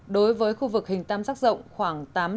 đối với khu vực hình tam sắc rộng khoảng tám trăm sáu mươi km hai